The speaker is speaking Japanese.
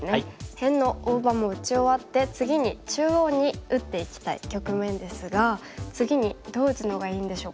辺の大場も打ち終わって次に中央に打っていきたい局面ですが次にどう打つのがいいんでしょうか。